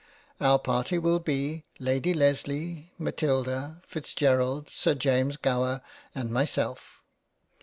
Our party will be Lady Lesley, Matilda, Fitzgerald, Sir James Gower, and myself.